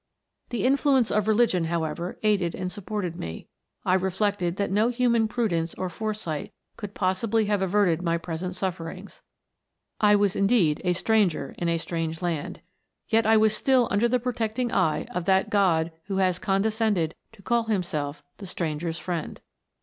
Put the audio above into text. " The influence of religion, however, aided and supported me. I reflected that no human prudence or foresight could possibly have averted my present sufferings; I was indeed a stranger in a strange land, yet I was still under the protecting eye of that God who has condescended to call himself the stranger's friend.